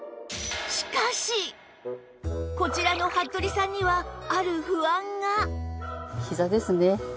こちらの服部さんにはある不安が